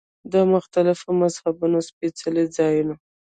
د مختلفو مذهبونو سپېڅلي ځایونه.